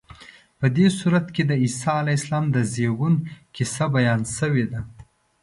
په دې سورت کې د عیسی علیه السلام د زېږون کیسه بیان شوې ده.